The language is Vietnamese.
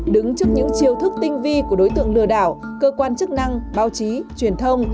đứng trước những chiêu thức tinh vi của đối tượng lừa đảo cơ quan chức năng báo chí truyền thông